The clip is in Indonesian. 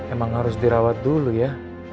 emang harus dirawat dulu ya